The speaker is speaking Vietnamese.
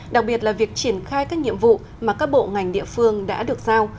đặc biệt là việc triển khai các nhiệm vụ mà các bộ ngành địa phương đã được giao